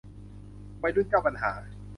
วัยรุ่นเจ้าปัญหา